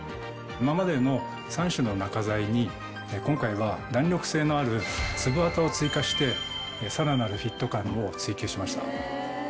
今までの３種の中材に今回は弾力性のあるつぶわたを追加してさらなるフィット感を追求しました。